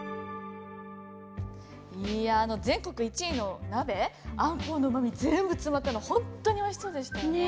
いやあの全国１位の鍋あんこうのうまみ全部詰まったの本当においしそうでしたよね。ね。